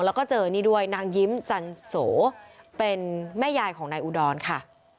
แล้วก็เจอนี่ด้วยนางยิ้มจันโสเป็นแม่ยายของนายอุดรค่ะ